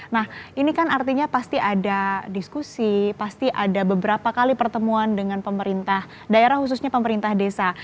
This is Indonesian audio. nah ini kan artinya pasti ada diskusi pasti ada beberapa kali pertemuan dengan pemerintah daerah khususnya pemerintah desa